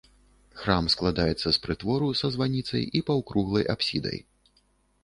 Храм складаецца з прытвору са званіцай і паўкруглай апсідай.